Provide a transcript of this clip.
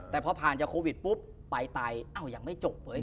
แต่พอผ่านจากโควิดปุ๊บไปไตอ้าวยังไม่จบเลย